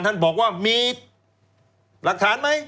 ท่านบอกว่ามีหลักฐานไหม